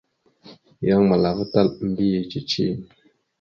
Yan malava tal a mbiyez cici.